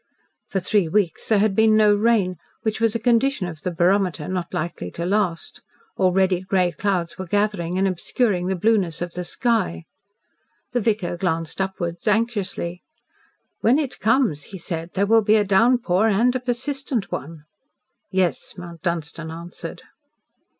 For three weeks there had been no rain, which was a condition of the barometer not likely to last. Already grey clouds were gathering and obscuring the blueness of the sky. The vicar glanced upwards anxiously. "When it comes," he said, "there will be a downpour, and a persistent one." "Yes," Mount Dunstan answered.